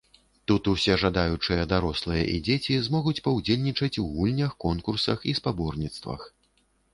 Тут усе жадаючыя дарослыя і дзеці змогуць паўдзельнічаць у гульнях, конкурсах і спаборніцтвах.